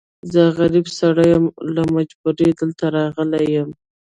زه غريب سړی يم، له مجبوری دلته راغلی يم.